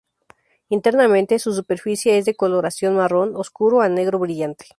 Internamente su superficie es de coloración marrón oscuro a negro brillante.